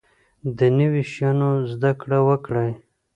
د نوي شیانو زده کړه وکړئ